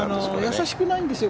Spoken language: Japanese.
易しくないんですよ